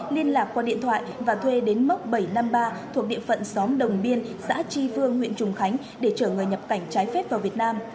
liên lạc qua điện thoại và thuê đến mốc bảy trăm năm mươi ba thuộc địa phận xóm đồng biên xã tri phương huyện trùng khánh để chở người nhập cảnh trái phép vào việt nam